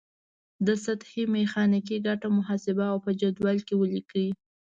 د سطحې میخانیکي ګټه محاسبه او په جدول کې ولیکئ.